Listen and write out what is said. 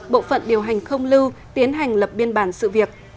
bộ phận điều hành không lưu tiến hành lập biên bản sự việc